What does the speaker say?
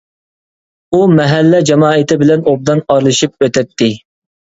ئۇ مەھەللە جامائىتى بىلەن ئوبدان ئارىلىشىپ ئۆتەتتى.